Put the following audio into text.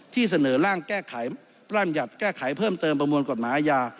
เสนอร่างแก้ไขร่ามหยัติแก้ไขเพิ่มเติมประมวลกฎหมายอาญา